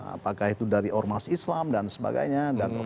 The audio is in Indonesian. apakah itu dari ormas islam dan sebagainya